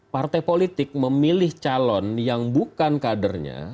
partai politik memilih calon yang bukan kadernya